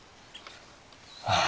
ああ。